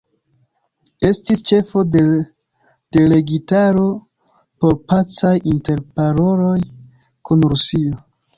Estis ĉefo de delegitaro por pacaj interparoloj kun Rusio.